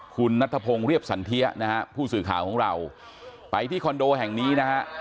คุณนัทพงศ์เรียบสันเทียนะฮะผู้สื่อข่าวของเราไปที่คอนโดแห่งนี้นะฮะ